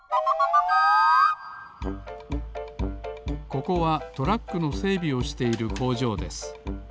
ここはトラックのせいびをしているこうじょうですコンコン。